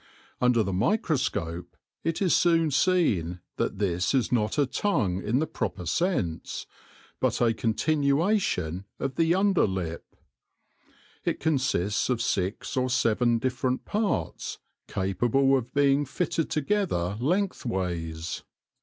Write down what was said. Under the microscope it is soon seen that this is not a tongue in the proper sense, but a continuation of the under lip. It consists of six or seven different parts capable of being fitted together lengthways.